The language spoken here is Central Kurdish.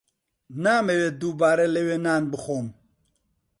نامەوێت دووبارە لەوێ نان بخۆم.